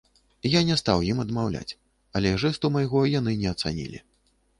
Я не стаў ім адмаўляць, але жэсту майго яны не ацанілі.